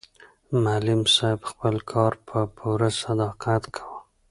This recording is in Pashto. معلم صاحب خپل کار په پوره صداقت کاوه.